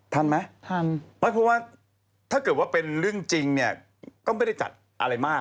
ทันไหมถ้าเกิดว่าเป็นเรื่องจริงก็ไม่ได้จัดอะไรมาก